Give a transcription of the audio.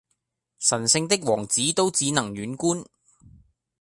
神聖的王子都只能遠觀！